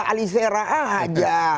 ali sera aja